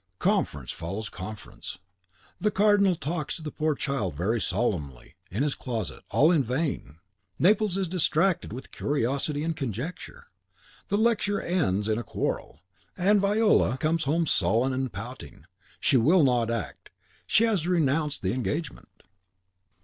Conference follows conference; the Cardinal talks to the poor child very solemnly in his closet, all in vain. Naples is distracted with curiosity and conjecture. The lecture ends in a quarrel, and Viola comes home sullen and pouting: she will not act, she has renounced the engagement.